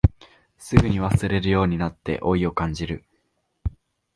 すぐに忘れるようになって老いを感じる